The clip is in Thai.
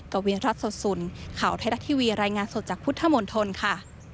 กวินรัฐสดสุนข่าวไทยรัฐทีวีรายงานสดจากพุทธมนตรค่ะ